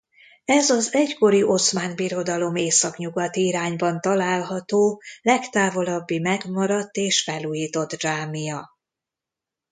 Ez az egykori Oszmán Birodalom északnyugati irányban található legtávolabbi megmaradt és felújított dzsámija.